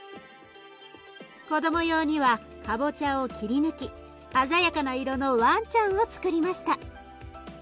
子ども用にはかぼちゃを切り抜き鮮やかな色のワンちゃんをつくりました。